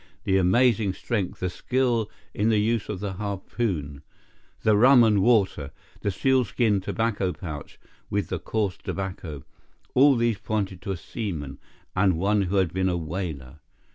The amazing strength, the skill in the use of the harpoon, the rum and water, the sealskin tobacco pouch with the coarse tobacco—all these pointed to a seaman, and one who had been a whaler.